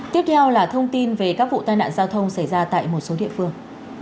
tiếp theo là thông tin về các vụ tai nạn giao thông xảy ra tại một số địa phương